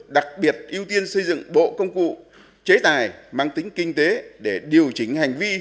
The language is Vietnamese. đặc biệt ưu tiên xây dựng bộ công cụ chế tài mang tính kinh tế để điều chỉnh hành vi